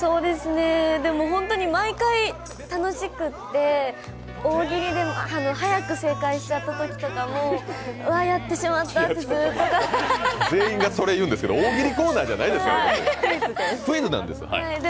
本当に毎回楽しくって、大喜利でも早く正解しちゃったときとかも、うわ、やってしまったってずっと考えて大喜利コーナーじゃないですから、クイズなんで！